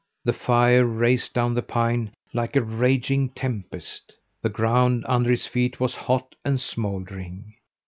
The fire raced down the pine like a raging tempest; the ground under his feet was hot and smouldering.